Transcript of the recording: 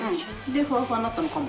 でふわふわになったのかも。